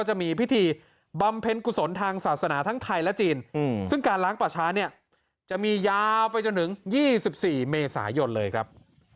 จะมียาวไปจนถึง๒๔เมษายนต์เลยครับ